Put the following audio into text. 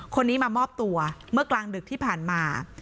คนนี้มามอบตัวเมื่อกลางดึกที่ผ่านมา